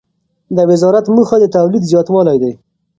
د وزارت موخه د تولید زیاتوالی دی.